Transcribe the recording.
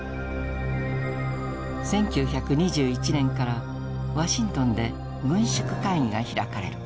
１９２１年からワシントンで軍縮会議が開かれる。